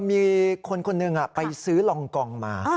มีคนคนหนึ่งไปซื้อรองกองมา